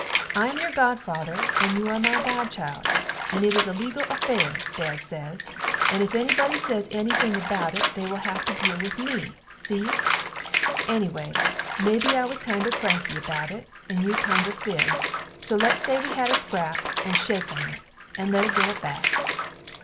I am your godfather and you are my godchild and it is a legal afare, dad sez, and if ennybody sez ennything about it they will have to deel with me, see? Ennyway mebbe I was kinder cranky about it, and you kinder fibbd, so lets say we had a scrap and shake on it and let it go at that.